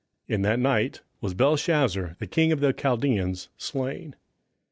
27:005:030 In that night was Belshazzar the king of the Chaldeans slain.